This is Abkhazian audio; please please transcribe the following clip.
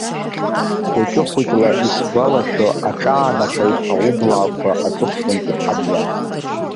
Хәыҷы-хәыҷла исгәалашәо аҿаанахеит аублаақәа аҵыхәтәантәи ҳамҩа.